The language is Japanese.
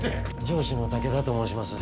上司の武田と申します。